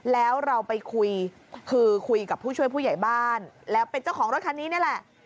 แล้วเราไปคุยคือคุยกับผู้ช่วยผู้ใหญ่บ้านแล้วเป็นเจ้าของรถคันนี้นี่แหละ